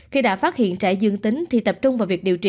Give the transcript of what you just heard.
khi đã phát hiện trẻ dương tính thì tập trung vào việc điều trị